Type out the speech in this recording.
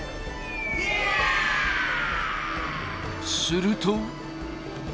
すると。